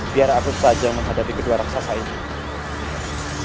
biar aku saja menghadapi kedua raksasa ini